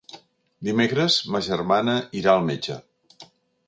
Dimecres ma germana irà al metge.